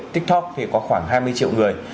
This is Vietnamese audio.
tik tok thì có khoảng hai mươi triệu người